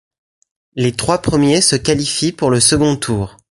Les trois premiers se qualifient pour le second tour.